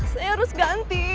saya harus ganti